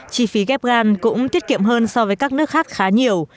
chi phí ghép gan cũng tiết kiệm hơn so với các nước khác khá nhiều